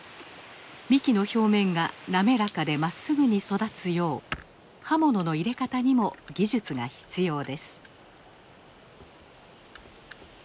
幹の表面が滑らかでまっすぐに育つよう刃物の入れ方にも技術が必要です。